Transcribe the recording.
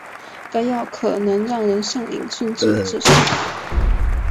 该药可能让人上瘾甚至致死。